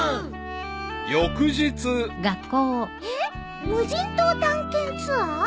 ［翌日］えっ無人島探検ツアー？